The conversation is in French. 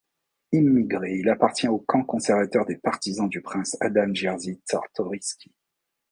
Immigré, il appartient au camp conservateur des partisans du prince Adam Jerzy Czartoryski.